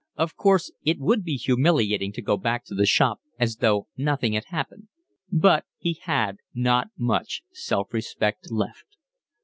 Of course it would be humiliating to go back to the shop as though nothing had happened, but he had not much self respect left.